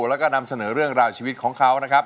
แล้วก็นำเสนอเรื่องราวชีวิตของเขานะครับ